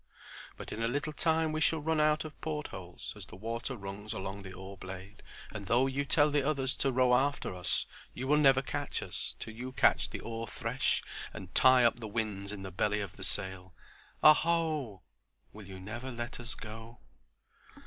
"But in a little time we shall run out of the portholes as the water runs along the oarblade, and though you tell the others to row after us you will never catch us till you catch the oar thresh and tie up the winds in the belly of the sail. Aho! "Will you never let us go?"